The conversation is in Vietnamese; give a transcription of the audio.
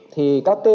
thì các cái